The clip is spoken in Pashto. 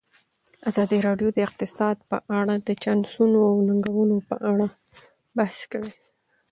ازادي راډیو د اقتصاد په اړه د چانسونو او ننګونو په اړه بحث کړی.